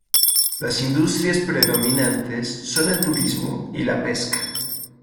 Las industrias predominantes son el turismo y la pesca.